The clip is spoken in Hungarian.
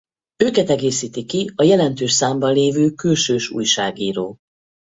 Őket egészíti ki a jelentős számban lévő külsős újságíró.